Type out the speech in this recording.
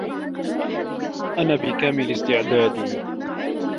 أنا بكامل استعدادي.